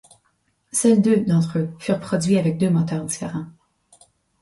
Seuls deux d'entre eux furent produits avec deux moteurs différents.